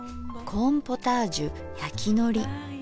コーンポタージュやきのり。